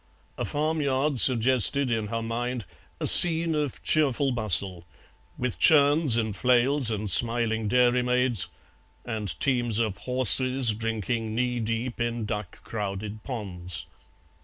A farmyard suggested in her mind a scene of cheerful bustle, with churns and flails and smiling dairymaids, and teams of horses drinking knee deep in duck crowded ponds.